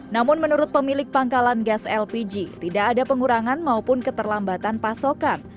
namun menurut pemilik pangkalan gas lpg tidak ada pengurangan maupun keterlambatan pasokan